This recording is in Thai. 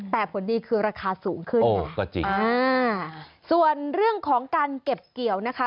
แต่ผลดีคือราคาสูงขึ้นก็จริงอ่าส่วนเรื่องของการเก็บเกี่ยวนะคะ